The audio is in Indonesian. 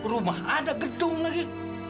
rumah ada gedung lagi